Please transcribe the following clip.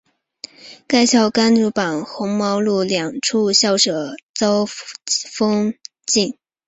该校甘榜汝和红毛路两处校舍遭封禁。